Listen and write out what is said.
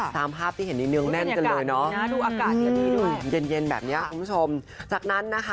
ค่ะเป็นอากาศดีนะดูอากาศดีด้วยคุณผู้ชมจากนั้นนะคะ